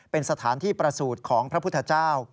เป็นสถานที่ประสูจน์ของพระพุทธเจ้า